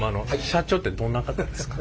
社長ってどんな方ですか？